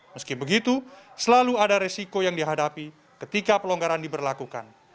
meski begitu selalu ada resiko yang dihadapi ketika pelonggaran diberlakukan